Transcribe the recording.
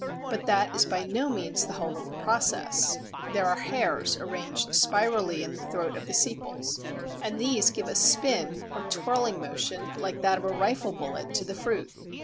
But that is by no means the whole of the process: there are hairs arranged spirally in the throat of the sepals, and these give a spin or twirling motion like that of a rifle bullet to the fruit.